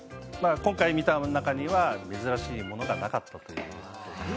今回見た中には珍しいものがなかったという。